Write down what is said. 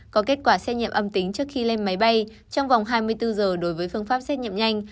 có kết quả xét nghiệm âm tính trước khi lên máy bay trong vòng hai mươi bốn giờ đối với phương pháp xét nghiệm nhanh